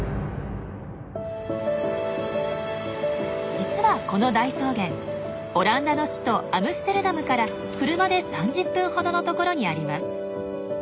実はこの大草原オランダの首都アムステルダムから車で３０分ほどのところにあります。